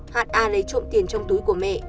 ha lấy trộm tiền trong túi của mẹ